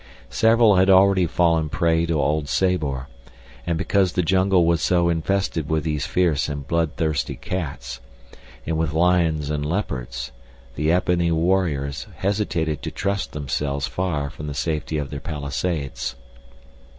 Several had already fallen prey to old Sabor, and because the jungle was so infested with these fierce and bloodthirsty cats, and with lions and leopards, the ebony warriors hesitated to trust themselves far from the safety of their palisades.